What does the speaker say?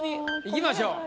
いきましょう。